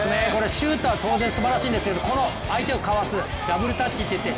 シュートは当然すばらしいんですけど、この相手をかわす、ダブルタッチといって